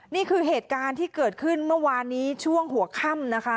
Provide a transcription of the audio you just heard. นี่คือเหตุการณ์ที่เกิดขึ้นเมื่อวานนี้ช่วงหัวค่ำนะคะ